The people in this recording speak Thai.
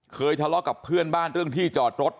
ทะเลาะกับเพื่อนบ้านเรื่องที่จอดรถ